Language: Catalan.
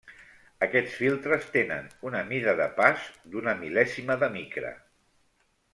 Aquests filtres tenen una mida de pas d'una mil·lèsima de micra.